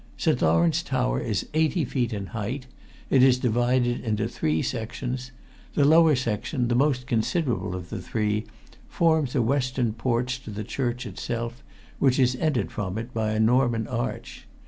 St. Lawrence tower is eighty feet in height. It is divided into three sections. The lower section, the most considerable of the three, forms a western porch to the church itself, which is entered from it by a Norman arch.